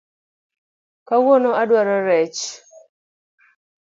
Kawuono adwaro rech